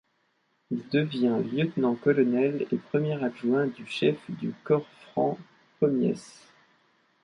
Il devient lieutenant-colonel et premier adjoint du chef du Corps franc Pommiès.